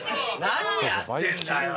何やってんだよ。